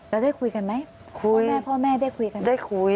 แล้วได้คุยกันไหมพ่อแม่ได้คุยกันไหมได้คุย